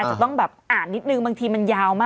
หลังเริ่มอ่านใช่ไหม